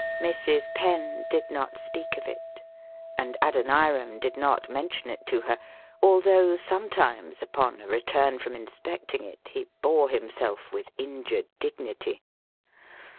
Mrs. Penn did not speak of it, and Adoniram did not mention it to her, although sometimes, upon a return from inspecting it, he bore himself with injured dignity.